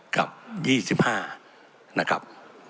กับ๒๕นะครับ